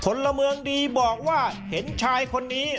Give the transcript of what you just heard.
พลเมืองดีบอกว่าเห็นชายคนนี้